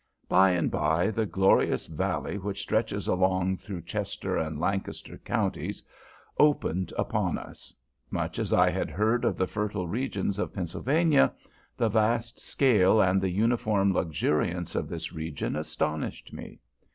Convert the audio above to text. By and by the glorious valley which stretches along through Chester and Lancaster Counties opened upon us. Much as I had heard of the fertile regions of Pennsylvania, the vast scale and the uniform luxuriance of this region astonished me.